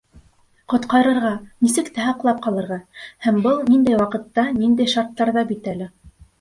«Ҡотҡарырға, нисек тә һаҡлап ҡалырға!» һәм был ниндәй ваҡытта, ниндәй шарттарҙа бит әле!